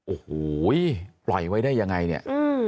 โอ้โหปล่อยไว้ได้ยังไงเนี่ย